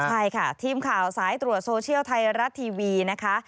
ใช่ค่ะทีมข่าวสายตรวจโซเชียลไทยรัฐทีวีนะคะ